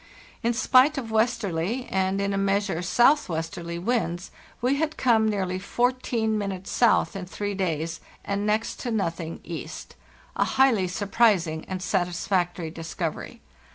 In spite of westerly and, ina measure, southwesterly winds, we had come nearly 14' south in three days and next to nothing east. A highly surprising and satisfactory discovery.